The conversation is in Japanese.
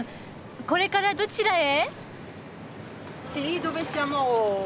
これからどちらへ？